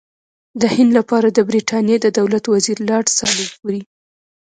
د هند لپاره د برټانیې د دولت وزیر لارډ سالیزبوري.